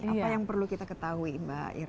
apa yang perlu kita ketahui mbak ira